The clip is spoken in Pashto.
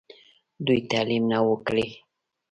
دوي تعليم نۀ وو کړی